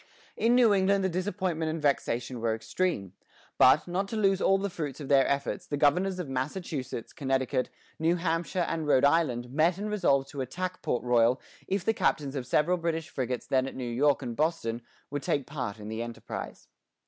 In New England the disappointment and vexation were extreme; but, not to lose all the fruits of their efforts, the governors of Massachusetts, Connecticut, New Hampshire, and Rhode Island met and resolved to attack Port Royal if the captains of several British frigates then at New York and Boston would take part in the enterprise.